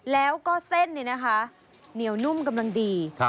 แล้วก็เส้นนี่นะคะเหนียวนุ่มกำลังดี